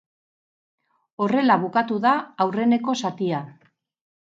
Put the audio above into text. Horrela bukatu da aurreneko zatia.